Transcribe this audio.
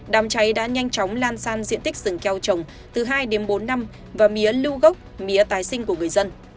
đám cháy đã nhanh chóng lan sang diện tích rừng keo trồng từ hai đến bốn năm và mía lưu gốc mía tái sinh của người dân